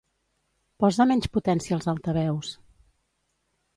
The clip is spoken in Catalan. Posa menys potència als altaveus.